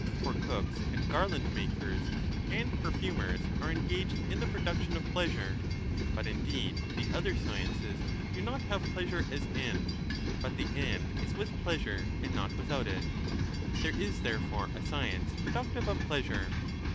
For cooks and garland makers and perfumers re engaged in the production of pleasure. But indeed le other sciences do not have pleasure as end, but the end with pleasure and not without it ; there is, therefore, science productive of pleasure.